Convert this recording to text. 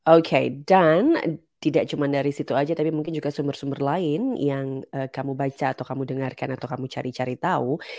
oke dan tidak cuma dari situ aja tapi mungkin juga sumber sumber lain yang kamu baca atau kamu dengarkan atau kamu cari cari tahu